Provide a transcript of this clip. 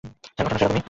হ্যাঁ, ঘটনা সেরকমই।